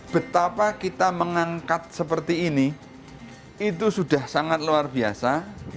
betapa kita mengangkat seperti ini itu sudah sangat luar biasa